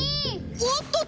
おっとっと！